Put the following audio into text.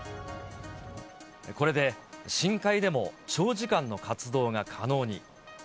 これで、深海でも長時間の活動が可能に。